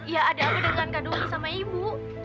ya ada apa dengan kak doni sama ibu